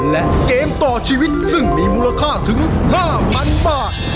และเกมต่อชีวิตซึ่งมีมูลค่าถึง๕๐๐๐บาท